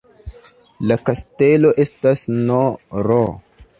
La kastelo estas nr.